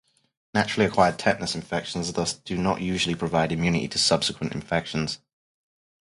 Naturally-acquired tetanus infections thus do not usually provide immunity to subsequent infections.